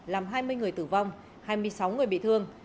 làm hai mươi người tử vong hai mươi sáu người bị thương